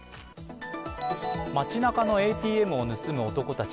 街なかのＡＴＭを盗む男たち。